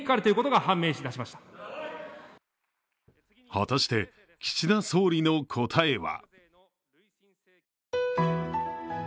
果たして岸田総理の答えは。